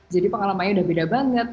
jadi pengalamannya udah beda banget